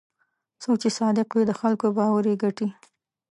څوک چې صادق وي، د خلکو باور یې ګټي.